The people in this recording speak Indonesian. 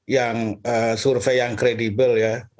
yang survei yang kredibel